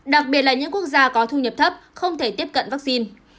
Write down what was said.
đặc biệt là những quốc gia có thu nhập thấp không thể tiếp cận vaccine